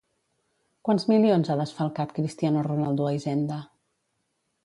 Quants milions ha desfalcat Cristiano Ronaldo a Hisenda?